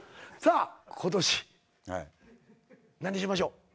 さあ今年何しましょう。